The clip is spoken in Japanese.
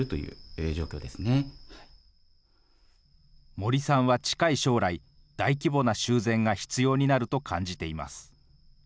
森さんは近い将来、大規模な修繕が必要になると感じています。